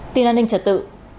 tin an ninh trật tự